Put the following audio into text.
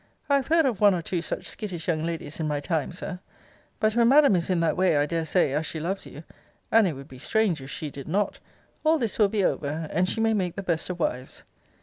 I have heard of one or two such skittish young ladies, in my time, Sir. But when madam is in that way, I dare say, as she loves you, (and it would be strange if she did not!) all this will be over, and she may make the best of wives.